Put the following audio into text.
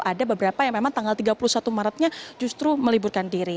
ada beberapa yang memang tanggal tiga puluh satu maretnya justru meliburkan diri